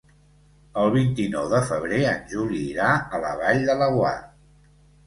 El vint-i-nou de febrer en Juli irà a la Vall de Laguar.